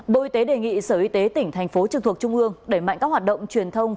bộ y tế đề nghị sở y tế tỉnh thành phố trực thuộc trung ương đẩy mạnh các hoạt động truyền thông